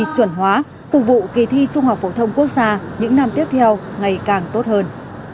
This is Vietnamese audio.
chuẩn hóa phục vụ kỳ thi trung học phổ thông quốc gia những năm tiếp theo ngày càng tốt hơn